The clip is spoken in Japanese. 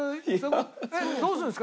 えっどうするんですか？